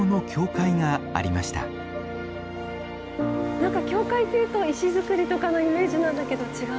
何か教会っていうと石造りとかのイメーシなんだけど違う。